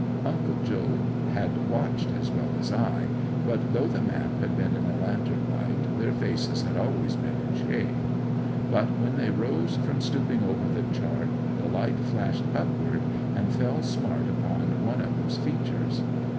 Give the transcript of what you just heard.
'Uncle Job had watched as well as I, but though the map had been in the lantern light, their faces had always been in shade. But when they rose from stooping over the chart the light flashed upward, and fell smart upon one of 'em's features.